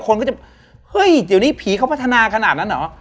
คนก็จะเฮ้ยเดี๋ยวนี้ผีเขาพัฒนาขนาดนั้นเหรอ